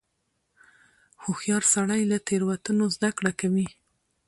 هوښیار سړی له تېروتنو زده کړه کوي.